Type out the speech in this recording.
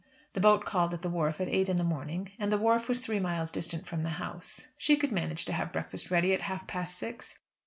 The boat called at the wharf at eight in the morning, and the wharf was three miles distant from the house. She could manage to have breakfast ready at half past six.